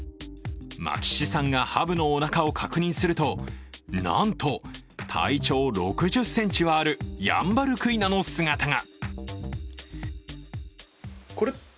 眞喜志さんがハブのおなかを確認すると、なんと体長６０ｃｍはあるヤンバルクイナの姿が。